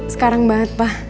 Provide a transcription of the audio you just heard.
sekarang banget pak